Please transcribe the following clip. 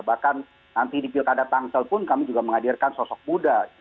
bahkan nanti di pilkada tangsel pun kami juga menghadirkan sosok muda